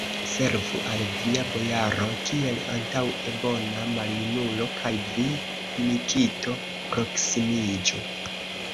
Servu al via bojaro, kiel antaŭe, bona maljunulo, kaj vi, Nikito, proksimiĝu!